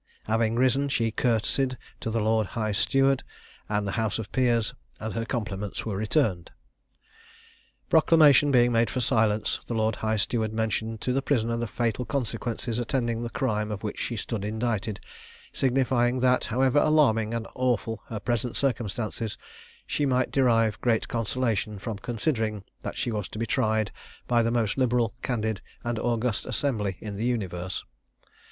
Having risen, she courtesied to the lord high steward and the house of peers, and her compliments were returned. Proclamation being made for silence, the lord high steward mentioned to the prisoner the fatal consequences attending the crime of which she stood indicted, signifying that, however alarming and awful her present circumstances, she might derive great consolation from considering that she was to be tried by the most liberal, candid, and august assembly in the universe.